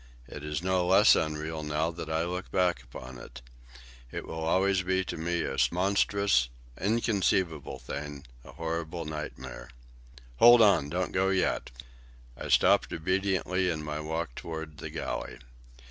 It is no less unreal now that I look back upon it. It will always be to me a monstrous, inconceivable thing, a horrible nightmare. "Hold on, don't go yet." I stopped obediently in my walk toward the galley.